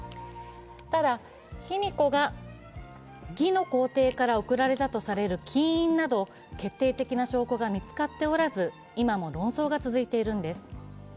ただ、卑弥呼が魏の皇帝から贈られたとされる金印など決定的な証拠が見つかっておらず、今も論争が続いているんです。